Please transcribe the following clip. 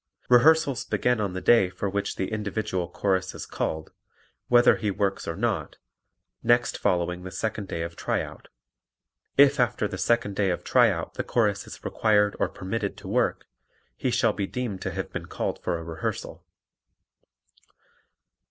Rehearsals begin on the day for which the individual Chorus is called whether he works or not next following the second day of tryout. If after the second day of tryout the Chorus is required or permitted to work, he shall be deemed to have been called for a rehearsal.